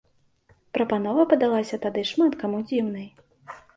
Прапанова падалася тады шмат каму дзіўнай.